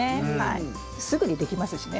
すぐにできますしね。